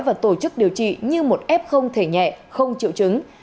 và tổ chức điều trị như một ép không thể nhẹ không triệu chứng